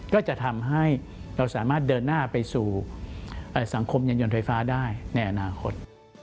ก็จะทำให้เราสามารถเดินหน้าไปสู่สังคมยันยนต์ไฟฟ้าได้ในอนาคต